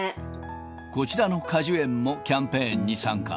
こちらの果樹園もキャンペーンに参加。